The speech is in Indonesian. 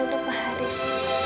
untuk pak haris